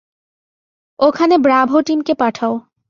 ওখানে ব্রাভো টিমকে পাঠাও।